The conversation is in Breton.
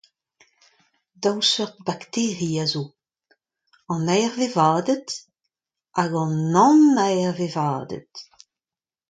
Daou seurt bakteri a zo : an aervevaded hag an anaervevaded.